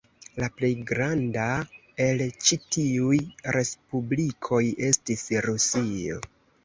La plej granda el ĉi tiuj respublikoj estis Rusio.